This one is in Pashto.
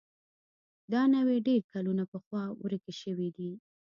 دا نوعې ډېر کلونه پخوا ورکې شوې دي.